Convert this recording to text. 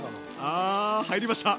あ入りました。